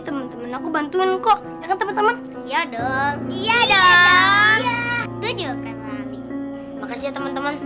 temen temen aku bantuin kok ya kan temen temen iya dong iya dong iya dong makasih temen temen